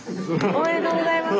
おめでとうございます。